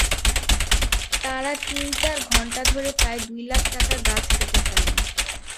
তাঁরা তিন-চার ঘণ্টা ধরে প্রায় দুই লাখ টাকার গাছ কেটে ফেলেন।